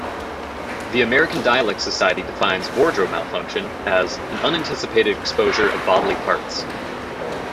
The American Dialect Society defines "wardrobe malfunction" as "an unanticipated exposure of bodily parts".